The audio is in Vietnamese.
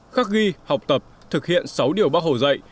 khắc ghi học tập thực hiện sáu điều bác hồ dạy